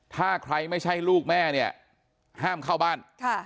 ถ้าใครไม่ใช่ลูกแม่เนี่ยห้ามเข้าบ้าน